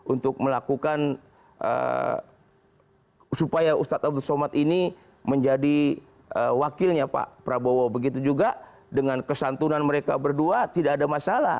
untuk melakukan supaya ustadz abdul somad ini menjadi wakilnya pak prabowo begitu juga dengan kesantunan mereka berdua tidak ada masalah